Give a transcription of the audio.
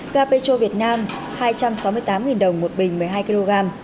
ga petro việt nam hai trăm sáu mươi tám đồng một bình một mươi hai kg